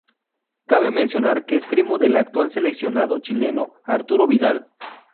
Cabe mencionar que es primo del actual seleccionado chileno Arturo Vidal.